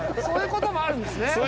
そういう事もあるんですね。